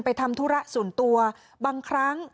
ทำธุระส่วนตัวบางครั้ง